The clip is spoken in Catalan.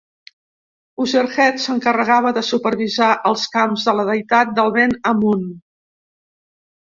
Userhet s'encarregava de supervisar els camps de la deïtat del vent Amun.